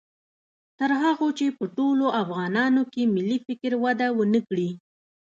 تر هغو چې په ټولو افغانانو کې ملي فکر وده و نه کړي